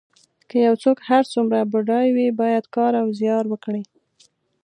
که یو څوک هر څومره بډای وي باید کار او زیار وکړي.